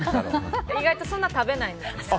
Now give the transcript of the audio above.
意外とそんな食べないんです。